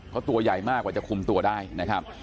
เขาตัวใหญ่มากกว่าจะคุมตัวได้นะครับ